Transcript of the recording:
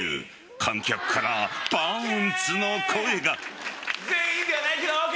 観客からパンツの声が。